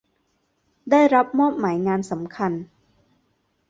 ได้รับมอบหมายงานสำคัญ